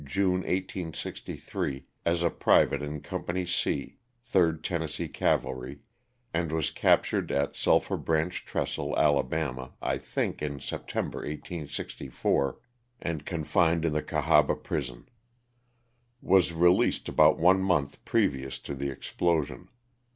June 1863, as ^ a private in Company 0, 3rd Tennessee Cav alry, and was captured at Sulphur Branch Trestle, Ala., I think in September, 1864, and confined in the Cahaba prison. Was released about one month previous to the explosion.